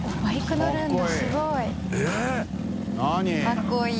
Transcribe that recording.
かっこいい。